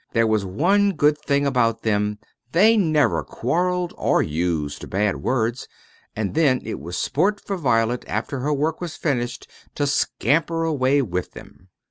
There was one good thing about them they never quarrelled or used bad words; and then it was sport for Violet, after her work was finished, to scamper away with them.